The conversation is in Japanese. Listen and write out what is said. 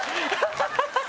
ハハハハ！